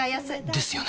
ですよね